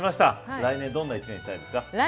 来年どんな一年にしたいですか。